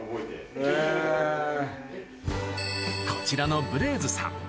こちらのブレーズさん